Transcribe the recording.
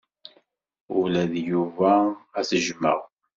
Ula d Yuba ad t-jjmeɣ.